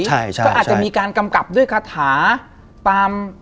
ก็อาจจะมีการกำกับด้วยคาถา